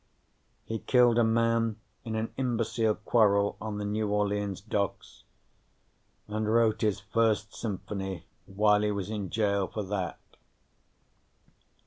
He killed a man in an imbecile quarrel on the New Orleans docks, and wrote his First Symphony while he was in jail for that.